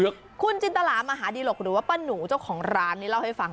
อุ๊ยคุณจินตระมหาดีหรอกหรือว่าป้าหนูของร้านนี้เล่าให้ฟัง